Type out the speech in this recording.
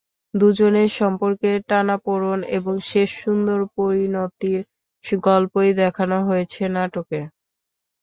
দুজনের সম্পর্কের টানাপোড়েন এবং শেষে সুন্দর পরিণতির গল্পই দেখানো হয়েছে নাটকে।